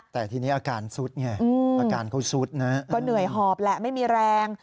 แต่ทีนี้อาการซุดไงอาการเขาสุดนะก็เหนื่อยหอบแหละไม่มีแรง